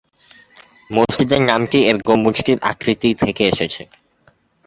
মসজিদের নামটি এর গম্বুজটির আকৃতি থেকে এসেছে।